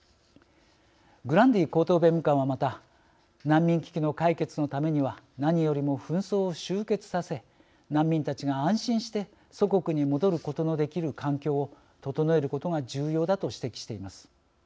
グランディ高等弁務官はまた難民危機の解決のためには何よりも紛争を終結させ難民たちが安心して祖国に戻ることのできる環境を整えることが重要だと指摘しています。